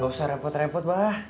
gak usah repot repot bah